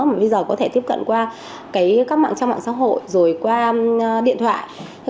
mà bây giờ có thể tiếp cận qua các mạng trong mạng xã hội rồi qua điện thoại